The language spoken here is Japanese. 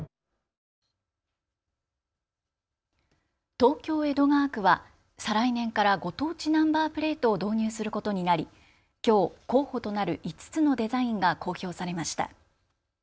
東京江戸川区は再来年からご当地ナンバープレートを導入することになりきょう候補となる５つのデザインが公表されました。